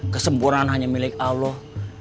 kesempurnaan hanya milik allah